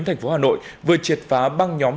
tp hà nội vừa triệt phá băng nhóm